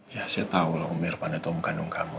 ya saya tahu lo miripannya tom kandung kamu